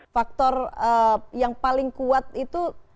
faktor yang paling kuat itu